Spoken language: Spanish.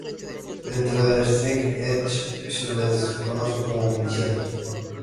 Dentro del Straight Edge, se les conoce como milicianos.